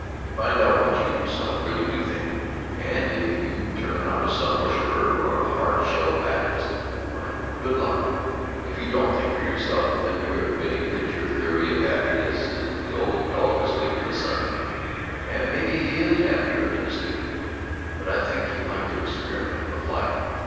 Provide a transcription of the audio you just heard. Find out what you yourself really do think, and if you turn out a Sun worshiper or a Hard shell Baptist, why, good luck. If you don't think for yourself, then you're admitting that your theory of happiness is the old dog asleep in the sun. And maybe he is happier than the student. But I think you like to experiment with life."